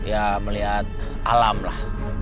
ya melihat alam lah